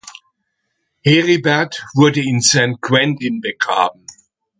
Heribert wurde in Saint-Quentin begraben.